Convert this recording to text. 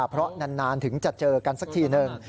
เพราะนานถึงจะเจอกันสักทีหนึ่ง